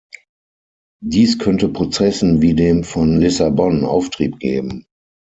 Dies könnte Prozessen wie dem von Lissabon Auftrieb geben.